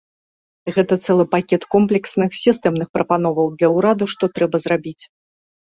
Гэта цэлы пакет комплексных сістэмных прапановаў для ўраду, што трэба зрабіць.